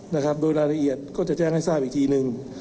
นะครับโดยรายละเอียดก็จะแจ้งให้ทราบอีกทีหนึ่ง